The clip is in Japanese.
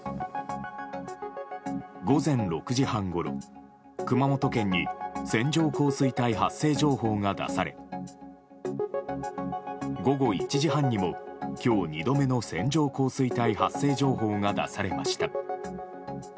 午前６時半ごろ、熊本県に線状降水帯発生情報が出され午後１時半にも、今日２度目の線状降水帯発生情報が出されました。